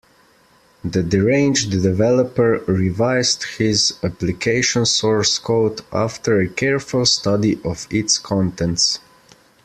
The deranged developer revised his application source code after a careful study of its contents.